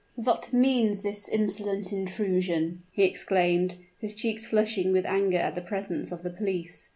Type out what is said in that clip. "What means this insolent intrusion?" he exclaimed, his cheeks flushing with anger at the presence of the police.